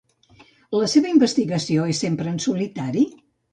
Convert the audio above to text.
La seva investigació és sempre en solitari?